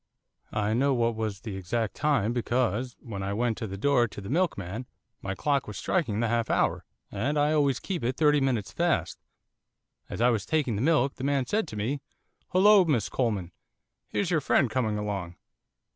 I know what was the exact time because, when I went to the door to the milkman, my clock was striking the half hour, and I always keep it thirty minutes fast. As I was taking the milk, the man said to me, "Hollo, Miss Coleman, here's your friend coming along."